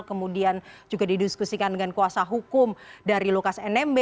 kemudian juga didiskusikan dengan kuasa hukum dari lukas nmb